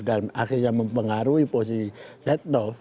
dan akhirnya mempengaruhi posisi setnov